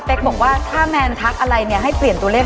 เป็กบอกว่าถ้าแมนทักอะไรให้เปลี่ยนตัวเลข